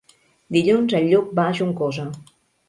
Dilluns en Lluc va a Juncosa.